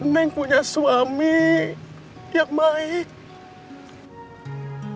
neng punya suami yang baik